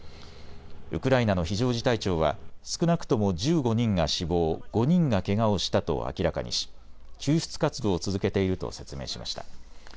ウクライナの非常事態庁は少なくとも１５人が死亡、５人がけがをしたと明らかにし、救出活動を続けていると説明しました。